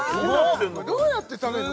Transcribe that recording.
どうやって食べるの？